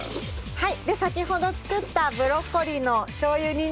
はい。